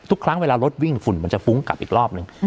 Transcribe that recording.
ทุกครั้งเวลารถวิ่งฝุ่นมันจะฟุ้งกลับอีกรอบนึง